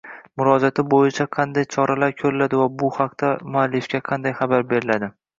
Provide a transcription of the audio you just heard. murojaati bo‘yicha qanday choralar ko‘riladi va bu haqda muallifga qanday xabar beriladimi?